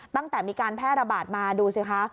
ตั้งแต่มีการแพร่ระบาดมาดูสิคะ